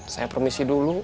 saya permisi dulu